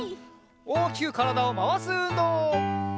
おおきくからだをまわすうんどう！